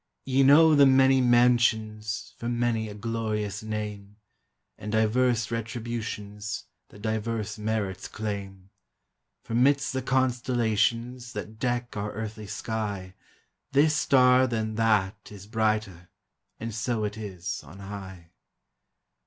Ye know the many mansions For many a glorious name, And divers retributions That divers merits claim ; For midst the constellations That deck our earthly sky, This star than that is brighter — And so it is on high.